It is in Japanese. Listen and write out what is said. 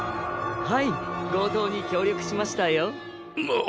はいごうとうに協力しましたよ。